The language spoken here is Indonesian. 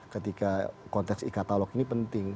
ketika konteks e katalog ini penting